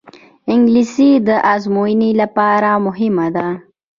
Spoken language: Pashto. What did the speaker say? انګلیسي د ازموینو لپاره مهمه ده